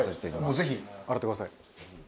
ぜひ洗ってください。